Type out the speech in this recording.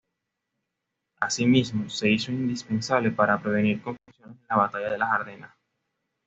Asimismo, se hizo indispensable para prevenir confusiones en la Batalla de las Ardenas.